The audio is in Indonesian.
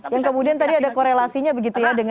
yang kemudian tadi ada korelasinya begitu ya